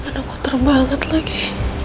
menangkuter banget lagi